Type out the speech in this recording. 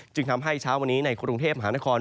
จึงทำให้เช้าวันนี้ในกรุงเทพมหานคร